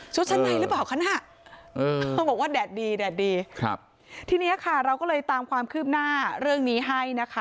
ชุดชั้นในหรือเปล่าคะน่ะบอกว่าแดดดีทีนี้ค่ะเราก็เลยตามความคืบหน้าเรื่องนี้ให้นะคะ